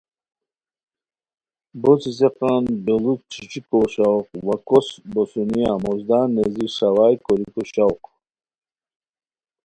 بو څیڅیقان بیڑو ݯیݯھیکو شوق وا کو س بوسونیہ موزدان نیزی ݰاوائے کوریکو شوق